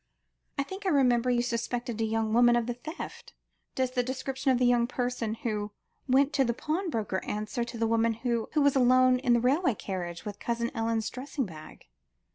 "I think I remember you suspected a young woman of the theft? Does the description of the young person who went to the pawnbroker, answer to the woman who was alone in the railway carriage with Cousin Ellen's dressing bag?"